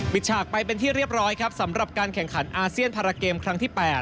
ฉากไปเป็นที่เรียบร้อยครับสำหรับการแข่งขันอาเซียนพาราเกมครั้งที่๘